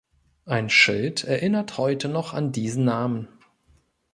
Ein Schild erinnert heute noch an diesen Namen.